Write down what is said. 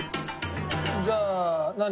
じゃあ何？